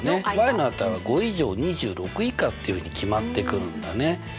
の値は５以上２６以下っていうふうに決まってくるんだね。